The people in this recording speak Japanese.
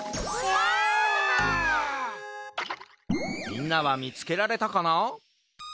みんなはみつけられたかな？